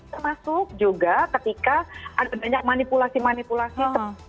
termasuk juga ketika ada banyak manipulasi manipulasi